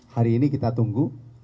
hari ini kita tunggu